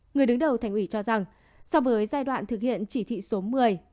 người đứng đầu thành ủy cho rằng so với giai đoạn thực hiện chỉ thị số một mươi